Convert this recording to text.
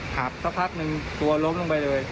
สักพักหนึ่งตัวลงลงไปเลย